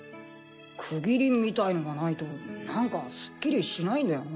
区切りみたいのがないとなんかスッキリしないんだよな。